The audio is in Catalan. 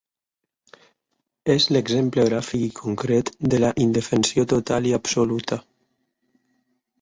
És l’exemple gràfic i concret de la indefensió total i absoluta.